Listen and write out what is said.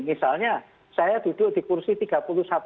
misalnya saya duduk di kursi tiga puluh satu